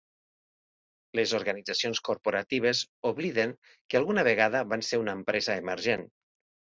Les organitzacions corporatives obliden que alguna vegada van ser una empresa emergent.